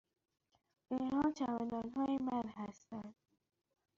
اینها چمدان های من هستند.